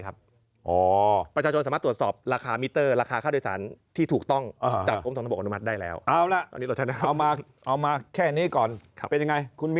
คุณวิทคุณก๊อฟฟังแล้วสบายใจไหม